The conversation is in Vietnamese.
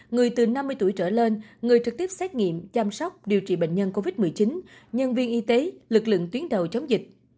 người từ năm mươi tuổi trở lên người trực tiếp xét nghiệm chăm sóc điều trị bệnh nhân covid một mươi chín nhân viên y tế lực lượng tuyến đầu chống dịch